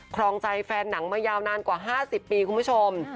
ครองใจแฟนหนังมายาวนานกว่า๕๐ปีคุณผู้ชม